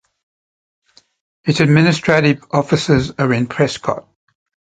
Its administrative offices are in Prescott.